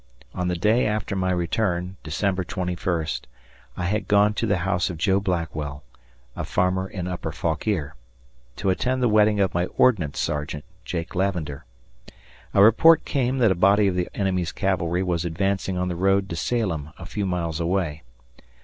On the day after my return, December 21, I had gone to the house of Joe Blackwell, a farmer in upper Fauquier, to attend the wedding of my ordnance sergeant, Jake Lavender. A report came that a body of the enemy's cavalry was advancing on the road to Salem, a few miles away.